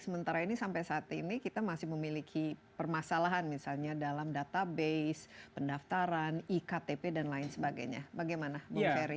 sementara ini sampai saat ini kita masih memiliki permasalahan misalnya dalam database pendaftaran iktp dan lain sebagainya bagaimana bung ferry